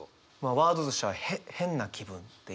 ワードとしては「変な気分」っていう。